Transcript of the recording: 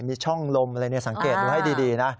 มีช่องลมอะไรอย่างนี้สังเกตดูให้ดีนะ